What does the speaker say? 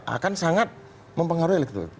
akan sangat mempengaruhi elektrikitas golkar